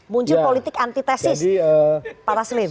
muncul politik antitesis para slim